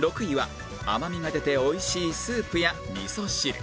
６位は甘みが出ておいしいスープやみそ汁